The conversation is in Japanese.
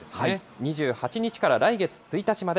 ２８日から来月１日まで。